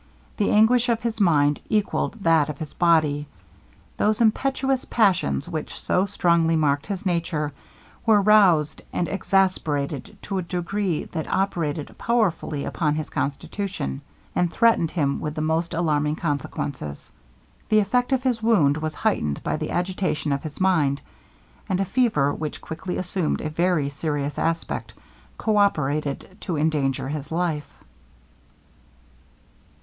The anguish of his mind equalled that of his body. Those impetuous passions which so strongly marked his nature, were roused and exasperated to a degree that operated powerfully upon his constitution, and threatened him with the most alarming consequences. The effect of his wound was heightened by the agitation of his mind; and a fever, which quickly assumed a very serious aspect, co operated to endanger his life.